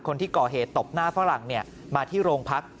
คนที่ก่อเหตุตบหน้าฝรั่งมาที่โรงพัก